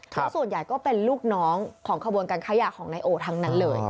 แล้วส่วนใหญ่ก็เป็นลูกน้องของขบวนการค้ายาของนายโอทั้งนั้นเลย